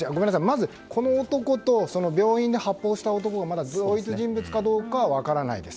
まず、この男と病院で発砲した男が同一人物かどうかは分からないです。